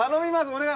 お願い！